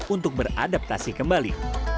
untuk beradaptasi kembali